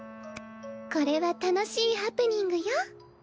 これは楽しいハプニングよ。